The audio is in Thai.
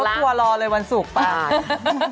เสริมดวงเลยวันสุขกำลังฤทธา